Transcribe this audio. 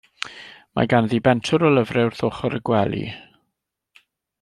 Mae ganddi bentwr o lyfre wrth ochr y gwely.